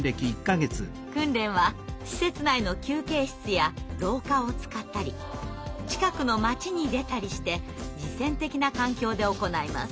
訓練は施設内の休憩室や廊下を使ったり近くの街に出たりして実践的な環境で行います。